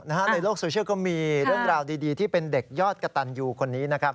ในโลกโซเชียลก็มีเรื่องราวดีที่เป็นเด็กยอดกระตันยูคนนี้นะครับ